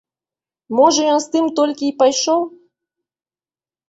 Можа, ён з тым толькі й пайшоў.